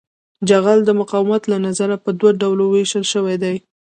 جغل د مقاومت له نظره په دوه ډلو ویشل شوی دی